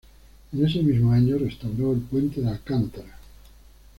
En ese mismo año restauró el puente de Alcántara.